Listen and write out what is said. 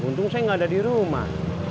untung saya nggak ada di rumah